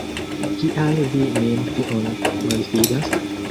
Kial vi min tiom malﬁdas?